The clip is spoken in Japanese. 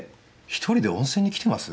「一人で温泉に来てます」